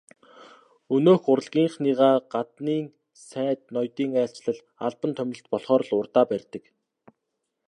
Өнөөх урлагийнхныгаа гаднын сайд ноёдын айлчлал, албан томилолт болохоор л урдаа барьдаг.